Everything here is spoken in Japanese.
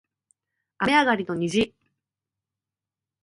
雨上がりの虹